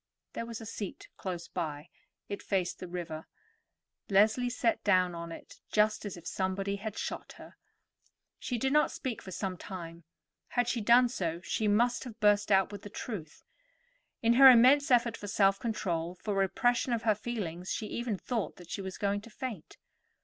There was a seat close by; it faced the river. Leslie sat down on it just as if somebody had shot her. She did not speak for some time. Had she done so, she must have burst out with the truth. In her immense effort for self control, for repression of her feelings, she even thought that she was going to faint.